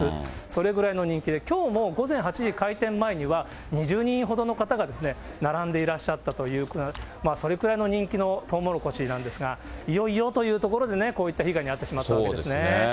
それぐらいの人気で、きょうも午前８時開店前には、２０人ほどの方が並んでいらっしゃったという、それくらいの人気のとうもろこしなんですが、いよいよというところでね、こういった被害に遭ってしまったわけですね。